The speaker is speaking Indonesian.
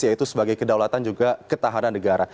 yaitu sebagai kedaulatan juga ketahanan negara